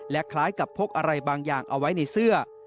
คล้ายกับพกอะไรบางอย่างเอาไว้ในเสื้อ